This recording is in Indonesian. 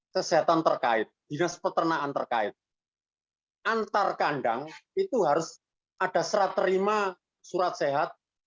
kesehatan terkait dinas peternaan terkait antar kandang itu harus ada serat terima surat sehat